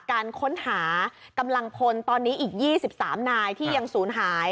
การค้นหากำลังพลตอนนี้อีก๒๓นายที่ยังศูนย์หาย